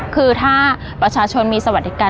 คือถ้าประชาชนมีสวัสดิการ